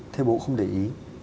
thế bố không để ý